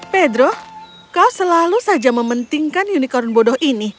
pedro kau selalu saja mementingkan unicorn bodoh ini